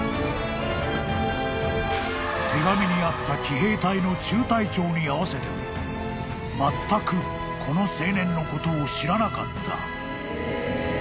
［手紙にあった騎兵隊の中隊長に会わせてもまったくこの青年のことを知らなかった］